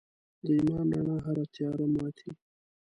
د ایمان رڼا هره تیاره ماتي.